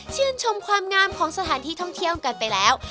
ชื่นชมความงามของสถานที่ท่องเที่ยวกันไปแล้ว